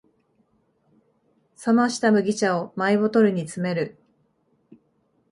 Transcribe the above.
冷ました麦茶をマイボトルに詰める